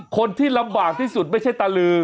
คนที่ลำบากที่สุดไม่ใช่ตาลือ